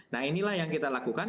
nah inilah yang kita lakukan